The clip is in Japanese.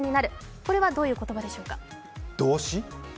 これはどういう言葉でしょうか。